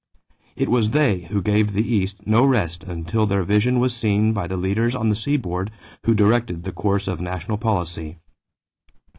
It was they who gave the East no rest until their vision was seen by the leaders on the seaboard who directed the course of national policy.